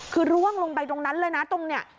คือร่วงลงไปตรงนั้นเลยนะตรงเนี่ย